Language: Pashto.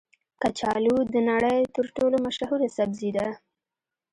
کچالو د نړۍ تر ټولو مشهوره سبزي ده